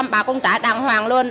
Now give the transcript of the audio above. bà không trả đàng hoàng luôn